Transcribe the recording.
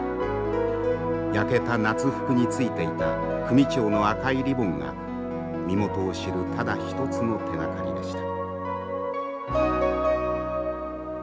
焼けた夏服についていた組長の赤いリボンが身元を知るただ一つの手がかりでした。